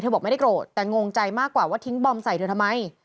บอกไม่ได้โกรธแต่งงใจมากกว่าว่าทิ้งบอมใส่เธอทำไม